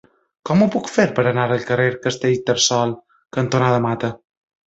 Com ho puc fer per anar al carrer Castellterçol cantonada Mata?